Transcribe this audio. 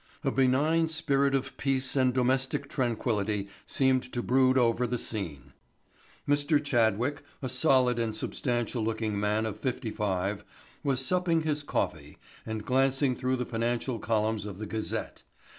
A benign spirit of peace and domestic tranquility seemed to brood over the scene. Mr. Chadwick, a solid and substantial looking man of fifty five, was supping his coffee and glancing through the financial columns of the Gazette.